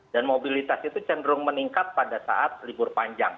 dan mobilitas itu cenderung meningkat pada saat libur panjang